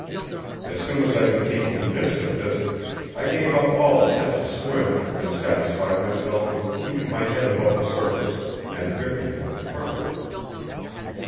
As soon as I became convinced of this I gave up all attempt to swim, and satisfied myself with keeping my head above the surface and drifting with the current.